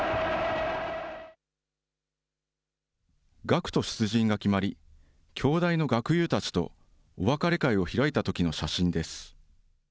学徒出陣が決まり、京大の学友たちとお別れ会を開いたときの写真です。